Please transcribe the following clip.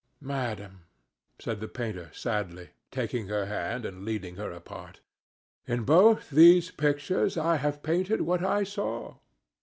"Madam," said the painter, sadly, taking her hand and leading her apart, "in both these pictures I have painted what I saw.